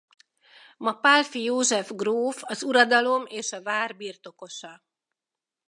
Ma Pálffy József gróf az uradalom és a vár birtokosa.